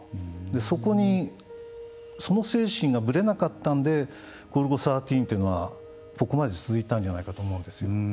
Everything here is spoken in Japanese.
そこに、その精神がぶれなかったんで「ゴルゴ１３」というのはここまで続いたんじゃないかと思うんですよ。